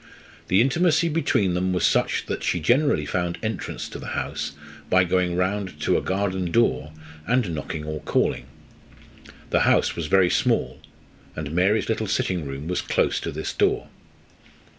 The intimacy between them was such that she generally found entrance to the house by going round to a garden door and knocking or calling. The house was very small, and Mary's little sitting room was close to this door.